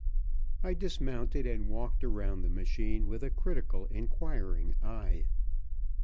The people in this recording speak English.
I dismounted and walked around the machine with a critical, inquiring eye.